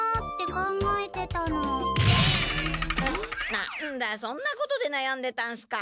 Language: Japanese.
何だそんなことでなやんでたんすか。